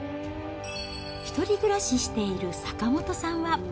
１人暮らししている坂元さんは。